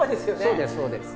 そうですそうです。